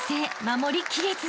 守りきれず］